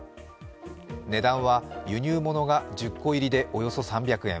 値段は輸入物が１０個入りでおよそ３００円。